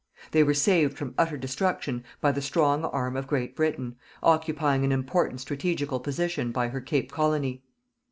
They were saved from utter destruction by the strong arm of Great Britain, occupying an important strategical position by her Cape Colony.